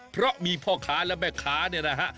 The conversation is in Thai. เพราะมีพ่อค้าและแม่ค้าเนี่ยนะฮะ